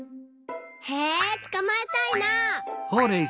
へえつかまえたいな！